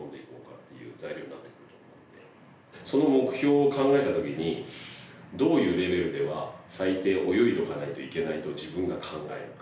その目標を考えた時にどういうレベルでは最低泳いでおかないといけないと自分が考えるか。